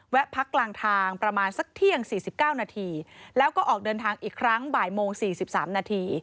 พักกลางทางประมาณสักเที่ยง๔๙นาทีแล้วก็ออกเดินทางอีกครั้งบ่ายโมง๔๓นาที